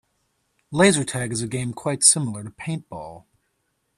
Laser tag is a game quite similar to paintball.